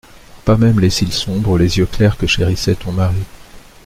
Pas même les cils sombres, les yeux clairs que chérissait ton mari.